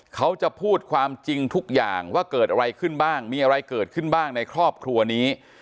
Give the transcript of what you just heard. เขาจะพูดความจริงทุกอย่างว่าเกิดอะไรขึ้นบ้างมีอะไรเกิดขึ้นบ้างในครอบครัวนี้